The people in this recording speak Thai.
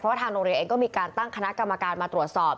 ทางโรงเรียนเองก็มีการตั้งคณะกรรมการมาตรวจสอบ